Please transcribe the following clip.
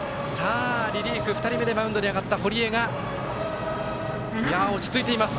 リリーフ２人目でマウンドに上がった堀江が落ち着いています。